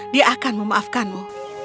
dia akan memaafkanmu